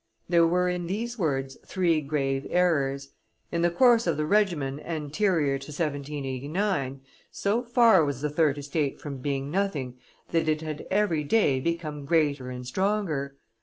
There were in these words three grave errors. In the course of the regimen anterior to 1789, so far was the third estate from being nothing that it had every day become greater and stronger.